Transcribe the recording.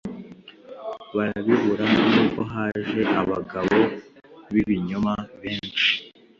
barabibura nubwo haje abagabo b’ibinyoma benshi